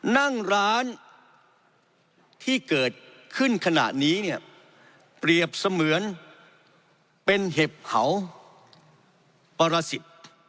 นั่งร้านที่เกิดขึ้นขณะนี้เนี่ยเปรียบเสมือนเป็นเห็บเผาปรสิทธิ์